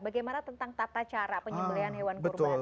bagaimana tentang tata cara penyembelian hewan kurban